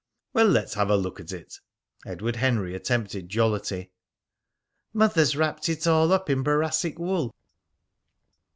"Well, let's have a look at it." Edward Henry attempted jollity. "Mother's wrapped it all up in boracic wool."